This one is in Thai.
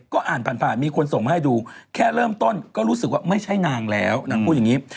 ก็อ่านผ่านมีคนส่งมาให้ดูแค่เริ่มต้นก็รู้สึกว่าไม่ใช่นางแล้วนางพูดอย่างนี้